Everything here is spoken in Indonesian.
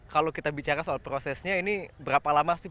kalau kita bicara soal prosesnya ini berapa lama sih